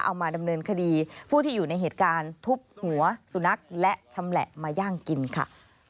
เอามาดำเนินคดีผู้ที่อยู่ในเหตุการณ์ทุบหัวสุนัขและชำแหละมาย่างกินค่ะ